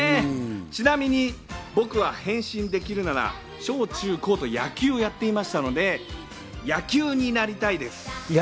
ちなみに僕は変身できるなら、小・中・高と野球をやっていましたので、野球になりたいです。